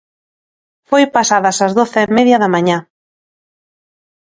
Foi pasadas as doce e media da mañá.